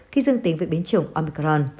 khi dương tính với biến chủng omicron